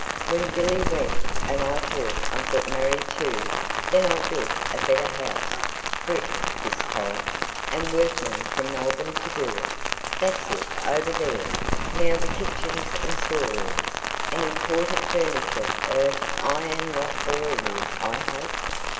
When Billy went, and I thought I'd get married too, then I built a better house brick this time, and workmen from Melbourne to do it; that's it over there, now the kitchens and store rooms and imported furniture er I am not boring you, I hope?"